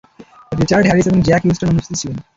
Richard Harris এবং Jack Huston অনুপস্থিত ছিলেন।